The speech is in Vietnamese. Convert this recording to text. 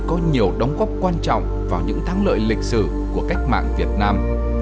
có nhiều đóng góp quan trọng vào những thắng lợi lịch sử của cách mạng việt nam